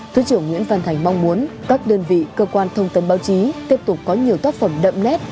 thứ trưởng nguyễn văn thành mong muốn các đơn vị cơ quan thông tấn báo chí tiếp tục có nhiều tác phẩm đậm nét